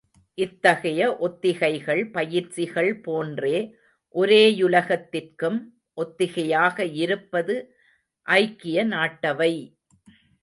இத்தகைய ஒத்திகைகள் பயிற்சிகள் போன்றே ஒரே யுலகத்திற்கும் ஒத்திகையாக இருப்பது ஐக்கிய நாட்டவை!